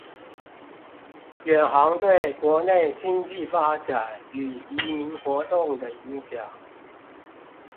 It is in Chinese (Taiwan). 遠航對國內經濟發展與移民活動的影響